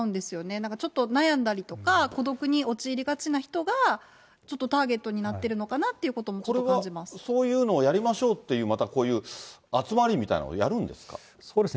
なんかちょっと、悩んだりとか、孤独に陥りがちな人が、ちょっとターゲットになってるのかなということも、ちょっと感じこれはそういうのをやりましょうという、こういう集まりみたいなのをやるんですか。